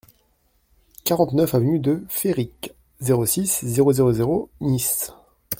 quarante-neuf avenue de Féric, zéro six, zéro zéro zéro, Nice